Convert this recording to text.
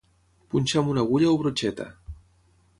Punxar amb una agulla o brotxeta.